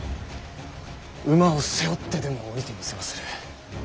馬を背負ってでも下りてみせます。